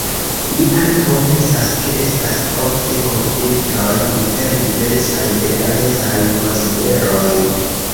Mi ankaŭ pensas, ke estas ofte konfliktoj inter diversaj egalecaj konsideroj.